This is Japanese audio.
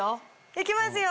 行きますよ。